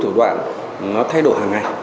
thủ đoạn nó thay đổi hàng ngày